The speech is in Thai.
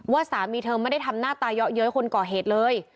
สามีเธอไม่ได้ทำหน้าตาเยอะเย้ยคนก่อเหตุเลย